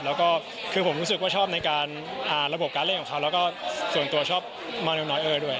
แล้วก็คือผมรู้สึกว่าชอบในการระบบการเล่นของเขาแล้วก็ส่วนตัวชอบมาเร็วน้อยเออร์ด้วย